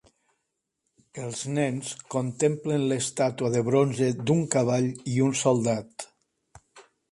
Els nens contemplen l'estàtua de bronze d'un cavall i un soldat.